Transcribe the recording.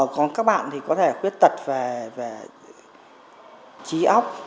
còn các bạn thì có thể khuyết tật về trí óc